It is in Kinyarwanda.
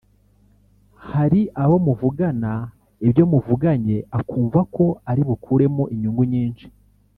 Hari abo muvugana ibyo muvuganye akumva ko ari bukuremo inyungu nyinshi